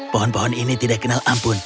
pohon pohon ini tidak kenal ampun